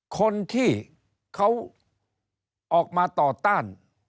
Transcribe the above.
คนที่เขาออกมาต่อต้าน